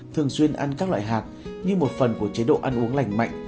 thường xuyên ăn các loại hạt như một phần của chế độ ăn uống lành mạnh